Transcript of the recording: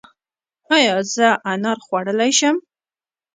ایا زه انار خوړلی شم؟